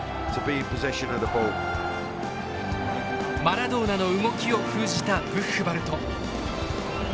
マラドーナの動きを封じたブッフバルト。